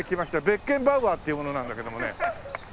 ベッケンバウアーっていう者なんだけどもね。